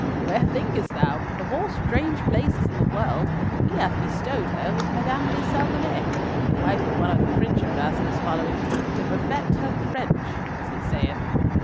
"Where thinkest thou? Of all strange places in the world, he hath bestowed her with Madame de Salmonnet, the wife of one of the French Ambassador's following, to perfect her French, as he saith.